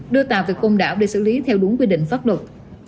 đưa tàu về côn đảo để xử lý theo đúng quy định pháp luật